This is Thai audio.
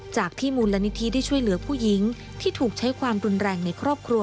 จากที่มูลนิธิได้ช่วยเหลือผู้หญิงที่ถูกใช้ความรุนแรงในครอบครัว